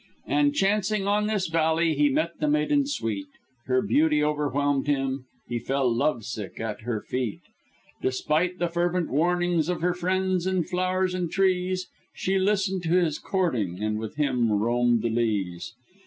"And chancing on this valley, He met the maiden sweet. Her beauty overwhelmed him; He fell love sick at her feet. "Despite the fervent warnings Of her friends the flowers and trees, She listened to his courting; And with him roamed the leas.